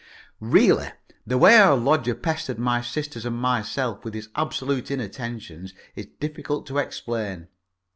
Really, the way our lodger pestered my sisters and myself with his absolute inattentions is difficult to explain.